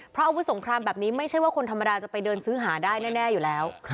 เพราะอาวุธสงครามแบบนี้ไม่ใช่ว่าคนธรรมดาจะไปเดินซื้อหาได้แน่อยู่แล้ว